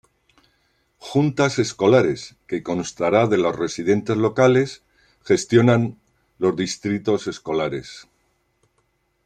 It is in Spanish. Juntas escolares, que constará de los residentes locales, gestionan los distritos escolares.